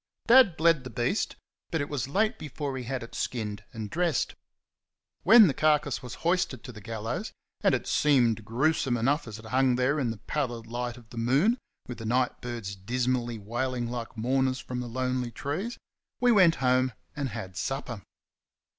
Dad bled the beast, but it was late before he had it skinned and dressed. When the carcase was hoisted to the gallows and it seemed gruesome enough as it hung there in the pallid light of the moon, with the night birds dismally wailing like mourners from the lonely trees we went home and had supper.